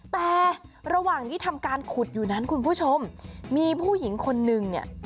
แต่ระหว่างที่ทำการขุดอยู่นั้นคุณผู้ชมมีผู้หญิงคนนึงเนี่ย